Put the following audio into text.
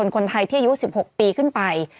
คนไทยที่อายุ๑๖ปีขึ้นไป